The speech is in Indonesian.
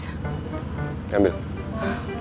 pertama kali semakin berjalan di keluarga maly